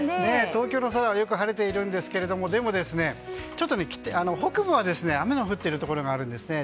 東京の空はよく晴れているんですがでも、北部は雨の降っているところがあるんですね。